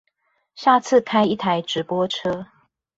下次開一台直播車